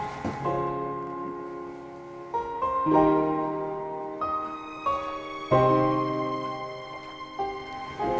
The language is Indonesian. makasih ya abu